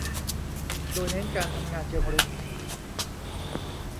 โดยเน้นการทำงานเชิงรุก